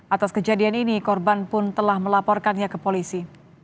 atas kejadian ini korban pun telah melaporkannya ke polisi